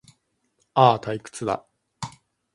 ああ、退屈だ